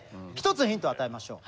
１つヒントを与えましょう。